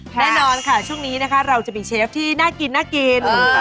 แน่นอนค่ะช่วงนี้นะคะเราจะมีเชฟที่น่ากินน่ากิน